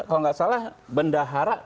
kalau gak salah bendahara